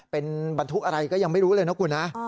เป็นบรรทุกอะไรก็ยังไม่รู้เลยนะคุณนะ